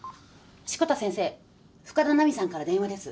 志子田先生深田奈美さんから電話です。